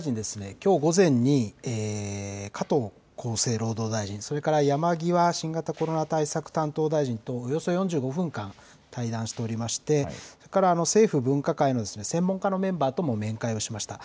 きょう午前に加藤厚生労働大臣、それから山際新型コロナ対策担当大臣とおよそ４５分間対談しておりましてそれから政府分科会の専門家のメンバーとも面会をしました。